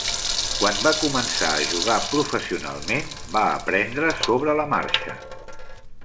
Quan va començar a jugar professionalment, va aprendre sobre la marxa.